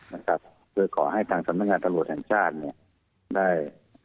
แล้วผมขอทางศัพท์มันงานตรงสุถิบันทรรยายร่วมนี้